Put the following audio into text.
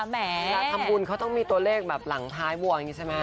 แล้วทำบุญเขาต้องมีตัวเลขหลังท้ายบัวใช่ไหม